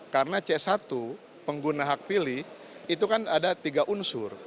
karena c satu pengguna hak pilih itu kan ada tiga unsur